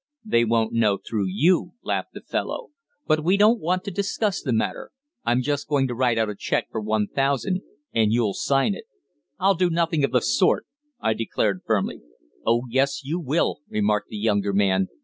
"They won't know through you," laughed the fellow. "But we don't want to discuss that matter. I'm just going to write out a cheque for one thousand, and you'll sign it." "I'll do nothing of the sort!" I declared firmly. "Oh yes, you will," remarked the younger man.